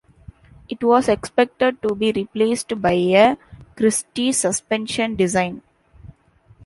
It was expected to be replaced by a Christie suspension design.